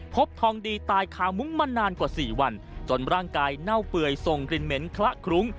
พบทองดีตายคามุ้งมานานกว่า๔วันจนร่างกายเน่าเปื่อยส่งกลิ่นเหม็นคละคลุ้ง